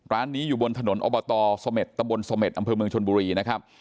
ร้านนี้อยู่บนถนนอบตสเม็ดตะบนเสม็ดอำเภอเมืองชนบุรีนะครับ